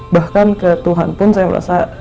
bahkan ke tuhan pun saya merasa